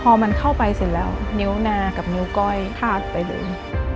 พอมันเข้าไปเสร็จแล้วนิ้วนากับนิ้วก้อยคาดไปเลย